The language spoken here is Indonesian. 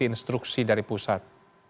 mengikuti instruksi dari pusat